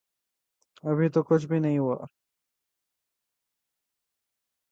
ابھی تو کچھ بھی نہیں ہوا۔